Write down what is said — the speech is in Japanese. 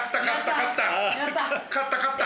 かったかった。